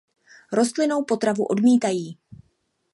Rostlinnou potravu odmítají.